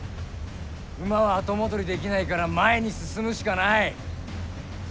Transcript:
馬は後戻りはできないから前に進むしかない。